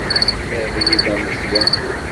Abrid ameẓyan.